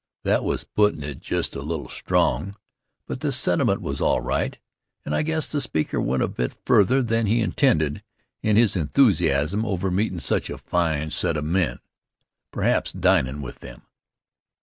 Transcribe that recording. That was puttin' it just a little strong, but the sentiment was all right and I guess the speaker went a bit further than he intended in his enthusiasm over meetin' such a fine set of men and, perhaps, dinin' with them.